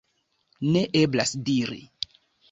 Ne eblas diri.